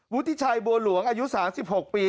วุฒิชัยบัวหลวงอายุ๓๖ปี